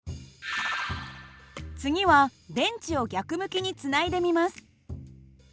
次は電池を逆向きにつないでみます。